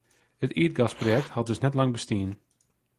It ierdgasprojekt hat dus net lang bestien.